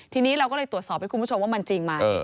ทีนี้เราก็เลยตรวจสอบให้คุณผู้ชมว่ามันจริงไหม